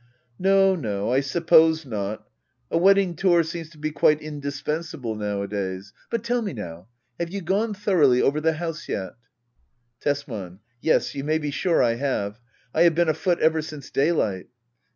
No no, I suppose not A wedding tour seems to be quite indispensable nowadays. — But tell me now — ^have you gone thoroughly over the house yet ? Tesman. Yes, you may be sure I have. I have been afoot ever since daylight.